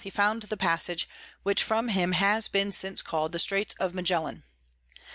he found the Passage, which from him has been since call'd the Straits of Magellan.